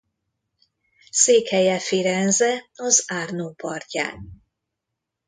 Székhelye Firenze az Arno partján.